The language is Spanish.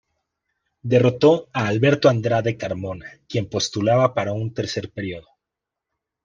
Derrotó a Alberto Andrade Carmona, quien postulaba para un tercer período.